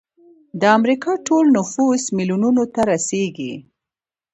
د امریکا ټول نفوس میلیونونو ته رسیږي.